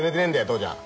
父ちゃん。